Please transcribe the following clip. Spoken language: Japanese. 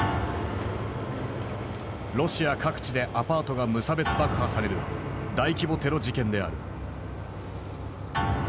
ロシア各地でアパートが無差別爆破される大規模テロ事件である。